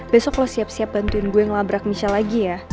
besok lo siap siap bantuin gue ngelabrak michelle lagi ya